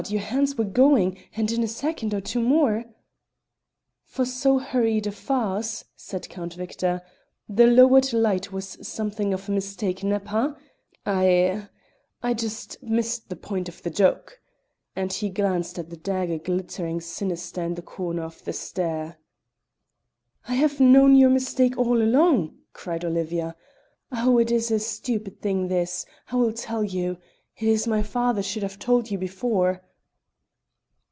your hands were going, and in a second or two more " "For so hurried a farce," said Count Victor, "the lowered light was something of a mistake, n'est ce pas? I I I just missed the point of the joke," and he glanced at the dagger glittering sinister in the corner of the stair. "I have known your mistake all along," cried Olivia. "Oh! it is a stupid thing this. I will tell you! It is my father should have told you before."